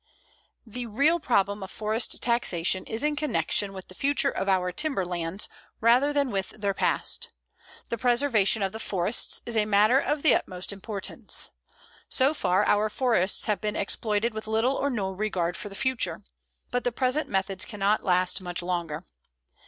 The real problem of forest taxation is in connection with the future of our timber lands rather than with their past. The preservation of the forests is a matter of the utmost importance. So far our forests have been exploited with little or no regard for the future. But the present methods cannot last much longer.